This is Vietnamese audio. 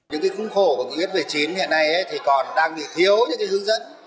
những khung khổ của nghị quyết một mươi chín hiện nay thì còn đang bị thiếu những hướng dẫn